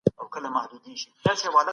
خلګ به نور سانسور سوي کتابونه ونه لولي.